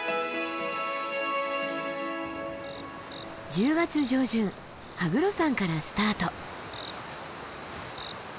１０月上旬羽黒山からスタート。